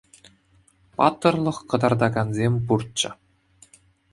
Паттӑрлӑх кӑтартакансем пурччӗ.